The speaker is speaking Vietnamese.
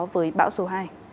với bão số hai